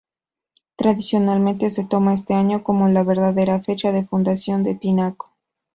Tradicionalmente se toma este año como la verdadera fecha de fundación de Tinaco.